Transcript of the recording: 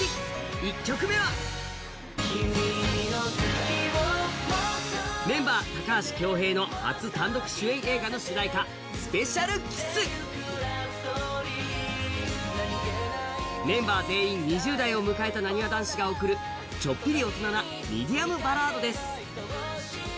１曲目はメンバー・高橋恭平の初単独主演映画「ＳｐｅｃｉａｌＫｉｓｓ」メンバー全員２０代を迎えたなにわ男子のちょっぴり大人なミディアムバラードです。